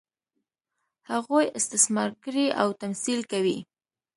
هغوی استثمار کړي او تمثیل کوي.